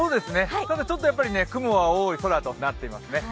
ただ、ちょっと雲は多い空となっていますね。